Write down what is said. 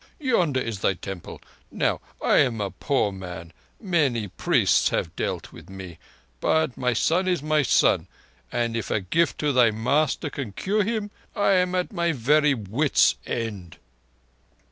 Yonder is thy Temple. Now I am a poor man—many priests have dealt with me—but my son is my son, and if a gift to thy master can cure him—I am at my very wits' end."